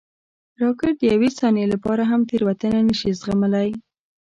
راکټ د یوې ثانیې لپاره هم تېروتنه نه شي زغملی